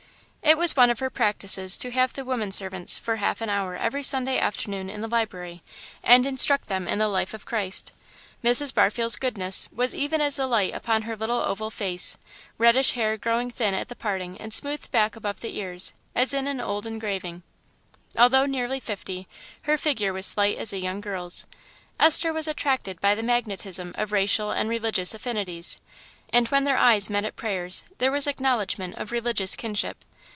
It was one of her practices to have the women servants for half an hour every Sunday afternoon in the library, and instruct them in the life of Christ. Mrs. Barfield's goodness was even as a light upon her little oval face reddish hair growing thin at the parting and smoothed back above the ears, as in an old engraving. Although nearly fifty, her figure was slight as a young girl's. Esther was attracted by the magnetism of racial and religious affinities; and when their eyes met at prayers there was acknowledgment of religious kinship.